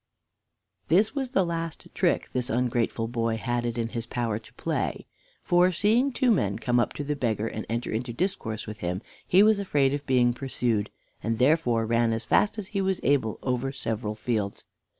This was the last trick this ungrateful boy had it in his power to play, for seeing two men come up to the beggar and enter into discourse with him, he was afraid of being pursued, and therefore ran as fast as he was able over several fields.